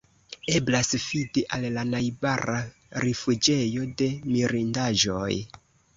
Eblas fidi al la najbara rifuĝejo de Mirindaĵoj.